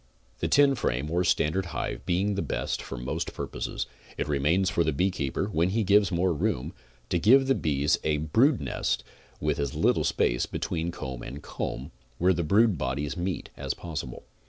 The ten frame or standard hive being the best for most pur poses, it remains for the beekeeper, when he gives more room, to give the bees a brood nest with as little space between comb and comb, where the brood bodies meet, as possible.